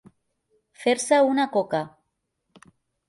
Fer-se una coca.